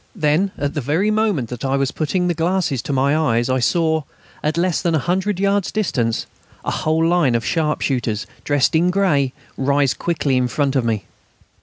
Then, at the very moment that I was putting the glasses to my eyes, I saw, at less than 100 yards distance, a whole line of sharpshooters, dressed in grey, rise quickly in front of me.